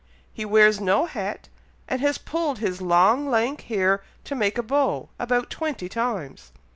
he wears no hat, and has pulled his long lank hair to make a bow, about twenty times.